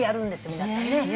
皆さんね。